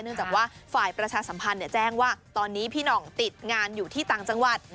จากว่าฝ่ายประชาสัมพันธ์แจ้งว่าตอนนี้พี่หน่องติดงานอยู่ที่ต่างจังหวัด